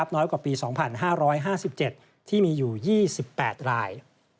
น้อยกว่าปี๒๕๕๗ที่มีอยู่๒๘ราย